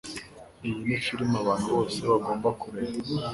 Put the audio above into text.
Iyi ni firime abantu bose bagomba kureba.